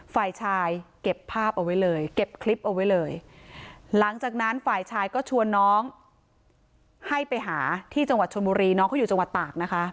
ฝ่ายชายเก็บภาพเอาไว้เลยเก็บคลิปเอาไว้เลยหลังจากนั้นฝ่ายชายก็ชวนน้องให้ไปหาที่จังหวัดชนบุรีน้องเขาอยู่จังหวัดตากนะคะ